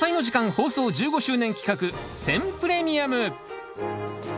放送１５周年企画選プレミアム。